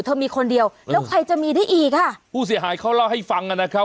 มีคนเดียวแล้วใครจะมีได้อีกอ่ะผู้เสียหายเขาเล่าให้ฟังอ่ะนะครับ